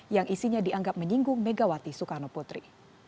yang isinya dianggap menyinggung megawati soekarno putri